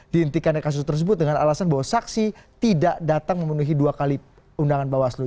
dihentikan kasus tersebut dengan alasan bahwa saksi tidak datang memenuhi dua kali undangan bawaslu